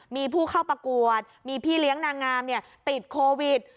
มีผู้เข้าประกวดมีพี่เลี้ยงนางงามติดโควิด